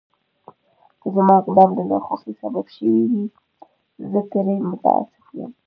که زما اقدام د ناخوښۍ سبب شوی وي، زه ترې متأسف یم.